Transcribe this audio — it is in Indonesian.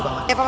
ya pak man